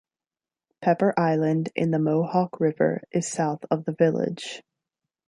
Pepper Island in the Mohawk River is south of the village.